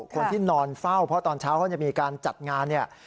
คนที่นอนเฝ้าเพราะตอนเช้าเขาจะมีการจัดงานเนี่ย